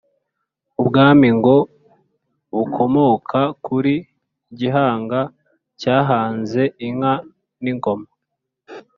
ubwami ngo bukomoka kuri "gihanga cyahanze inka n'ingoma".